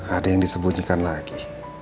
ada yang disebunyikan lagi